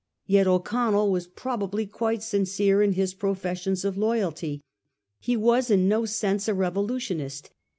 Yet O'Connell was probably quite sincere in his professions of loyalty. He was in no sense a revolutionist.